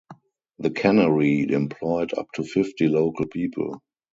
The cannery employed up to fifty local people.